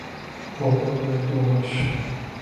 اوبه باید مهار شي